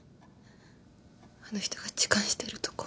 あの人が痴漢してるとこ。